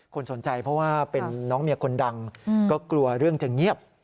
คนสนใจเพราะว่าเป็นน้องเมียคนดังก็กลัวเรื่องจะเงียบ